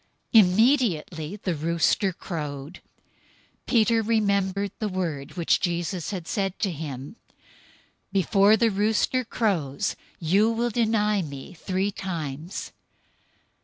Immediately the rooster crowed. 026:075 Peter remembered the word which Jesus had said to him, "Before the rooster crows, you will deny me three times."